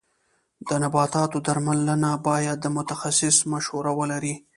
د نباتو درملنه باید د متخصص مشوره ولري.